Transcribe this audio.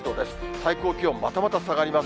最高気温、またまた下がります。